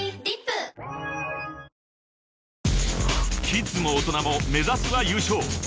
［キッズも大人も目指すは優勝］